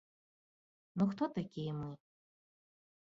Ну хто такія мы.